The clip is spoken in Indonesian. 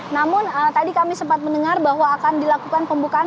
namun tadi kami sempat mendengar bahwa akan dilakukan pembukaan